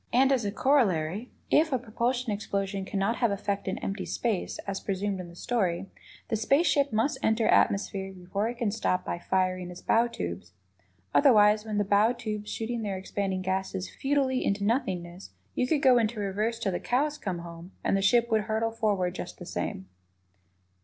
And, as a corollary, if a propulsion explosion cannot have effect in empty space, as presumed in the story, the space ship must enter atmosphere before it can stop by firing its bow tubes. Otherwise, with the bow tubes shooting their expanding gases futilely into nothingness, you could go into "reverse" till the cows came home and the ship would hurtle forward just the same.